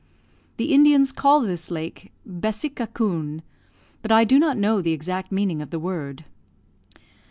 The Indians call this lake Bessikakoon, but I do not know the exact meaning of the word.